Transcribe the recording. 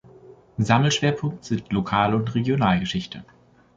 Sammelschwerpunkt sind Lokal- und Regionalgeschichte.